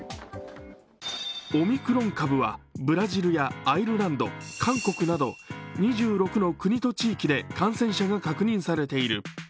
オミクロン株はブラジルやアイルランド、韓国など、２６の国と地域で感染者が確認されている。